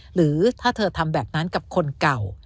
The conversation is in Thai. หรือถ้าเธอทำแบบนั้นกับคนเก่า